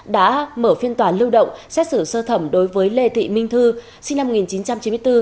đã mở phiên tòa lưu động xét xử sơ thẩm đối với lê thị minh thư sinh năm một nghìn chín trăm chín mươi bốn